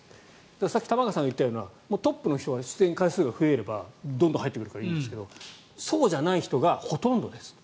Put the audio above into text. さっき、玉川さんが言ったようなトップの人は出演回数が増えればどんどん入ってくるからいいんですがそうじゃない人がほとんどです。